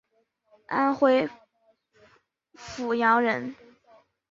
安徽阜阳人。